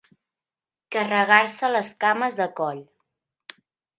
Carregar-se les cames a coll.